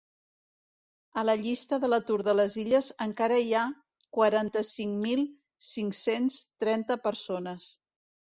A la llista de l’atur de les Illes encara hi ha quaranta-cinc mil cinc-cents trenta persones.